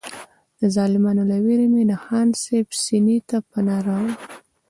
د ظالمانو له وېرې مې د خان صاحب سینې ته پناه راوړله.